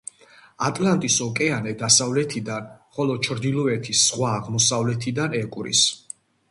ატლანტის ოკეანე დასავლეთიდან, ხოლო ჩრდილოეთის ზღვა აღმოსავლეთიდან ეკვრის.